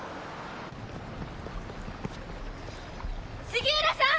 杉浦さん！